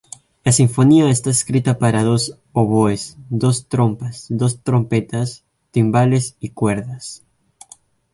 La sinfonía está escrita para dos oboes, dos trompas, dos trompetas, timbales y cuerdas.